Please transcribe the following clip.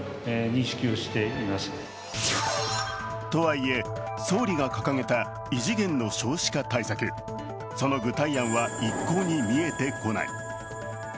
とはいえ、総理が掲げた異次元の少子化対策、その具体案は一向に見えてこない。